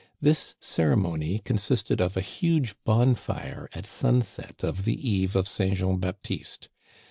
This cere mony consisted of a huge bonfire at sunset of the eve of St. Jean Baptiste.